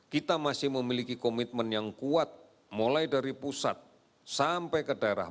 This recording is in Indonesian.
kita masih memiliki komitmen yang kuat mulai dari pusat sampai ke daerah